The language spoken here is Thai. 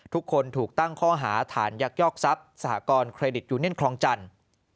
ทุกคนถูกตั้งข้อหาฐานยักยอกทรัพย์สหกรณเครดิตยูเนียนคลองจันทร์